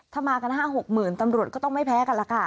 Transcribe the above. ถ้ามากัน๕๖หมื่นตำรวจก็ต้องไม่แพ้กันล่ะค่ะ